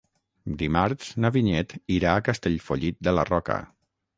Dimarts na Vinyet irà a Castellfollit de la Roca.